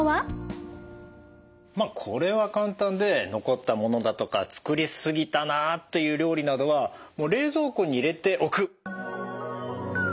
これは簡単で残ったものだとか作り過ぎたなという料理などは冷蔵庫に入れておく。